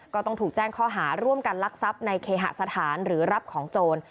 ก็ต้องถูกแจ้งข้อหาร่วมกันลักทรัพย์ในเคหสถานหรือรับของโจร